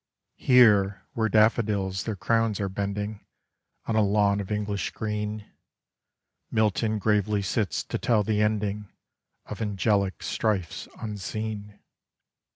Here where daffodils their crowns are bending On a lawn of English green, Milton gravely sits to tell the ending Of angelic strifes unseen.